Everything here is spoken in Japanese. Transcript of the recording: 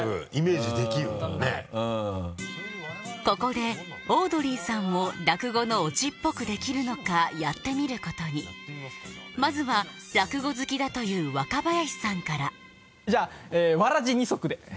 ここでオードリーさんも落語のオチっぽくできるのかやってみることにまずは落語好きだという若林さんからじゃあ「わらじ２足」で。